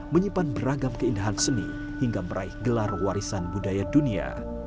menyimpan beragam keindahan seni hingga meraih gelar warisan budaya dunia